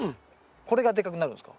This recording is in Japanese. これがでかくなるんですか？